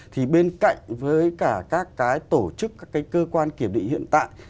thì bên cạnh với cả các cái tổ chức các cái cơ quan kiểm định hiện tại